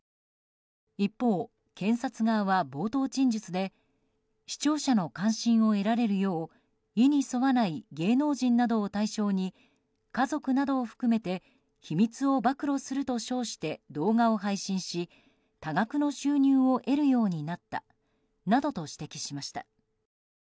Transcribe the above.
一方、検察側は冒頭陳述で視聴者の関心を得られるよう意に沿わない芸能人などを対象に家族などを含めて秘密を暴露すると称して動画を配信し多額の収入を得るようになったなどと指摘しました。